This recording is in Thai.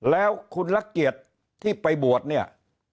แล้วคุณละเกียรติที่ไปบวชเนี่ย